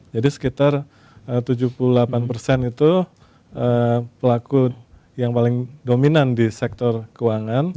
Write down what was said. jadi sekitar tujuh puluh delapan itu pelaku yang paling dominan di sektor keuangan